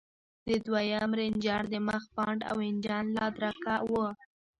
د دويم رېنجر د مخ بانټ او انجن لادرکه و.